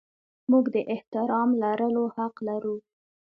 موږ د احترام لرلو حق لرو.